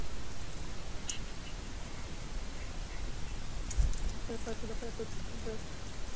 მოგვიანებით ეს სახელი დაერქვა უბნებს სხვა ქალაქებშიც, სადაც ებრაელები ცხოვრობდნენ.